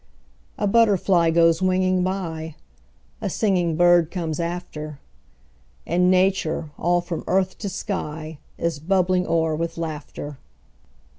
A butterfly goes winging by; A singing bird comes after; And Nature, all from earth to sky, Is bubbling o'er with laughter.